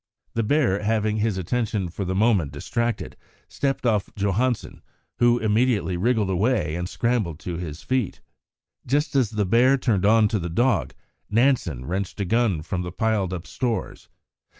The bear, having his attention for the moment distracted, stepped off Johansen, who immediately wriggled away and scrambled to his feet. Just as the bear turned on to the dog, Nansen wrenched a gun from the piled up stores.